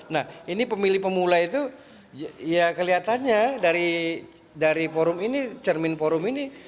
nah ini pemilih pemula itu ya kelihatannya dari forum ini cermin forum ini